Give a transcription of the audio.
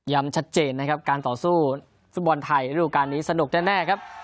ชัดเจนนะครับการต่อสู้ฟุตบอลไทยฤดูการนี้สนุกแน่ครับ